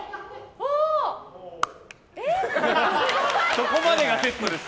そこまでがセットです。